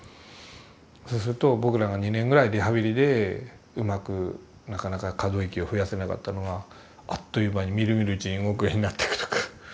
そうすると僕らが２年ぐらいリハビリでうまくなかなか可動域を増やせなかったのがあっという間にみるみるうちに動くようになっていくとか。